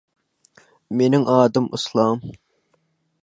Meniň adym Yslam.